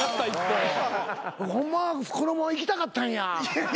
ホンマはこのままいきたかったんや。